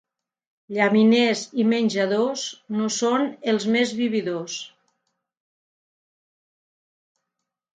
Llaminers i menjadors no són els més vividors.